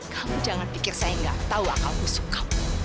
kamu jangan pikir saya gak tahu akal kusuk kamu